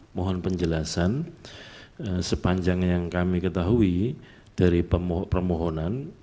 mohon penjelasan sepanjang yang kami ketahui dari permohonan